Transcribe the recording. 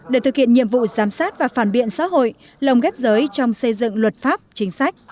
để thực hiện nhiệm vụ giám sát và phản biện xã hội lồng ghép giới trong xây dựng luật pháp chính sách